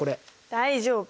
大丈夫。